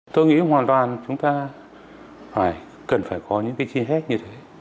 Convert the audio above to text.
tôi nghĩ hoàn toàn chúng ta cần phải có những cái chi hết như thế